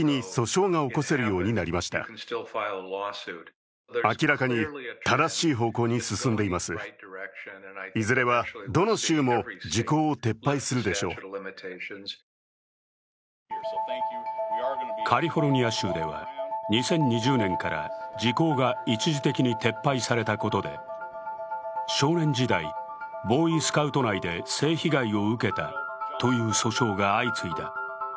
子供の性被害に関する多くの訴訟を扱ってきたティム・コスノフ弁護士はカリフォルニア州では２０２０年から時効が一時的に撤廃されたことで、少年時代、ボーイスカウト内で性被害を受けたという訴訟が相次いだ。